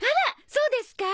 そうですか？